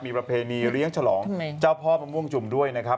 มีประเพณีเลี้ยงฉลองเจ้าพ่อมะม่วงจุ่มด้วยนะครับ